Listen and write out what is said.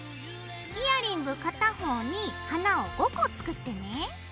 イヤリング片方に花を５個作ってね。